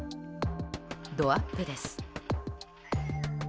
どアップです。